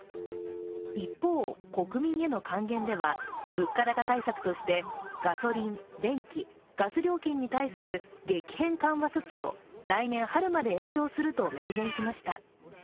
一方、国民への還元では物価高対策としてガソリン、電気、ガス料金に対する激変緩和措置を来年春まで延長すると明言しました。